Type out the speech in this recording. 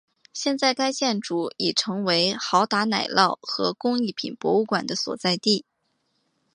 现在该建筑已成为豪达奶酪和工艺品博物馆的所在地。